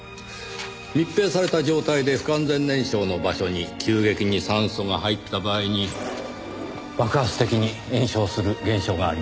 密閉された状態で不完全燃焼の場所に急激に酸素が入った場合に爆発的に燃焼する現象があります。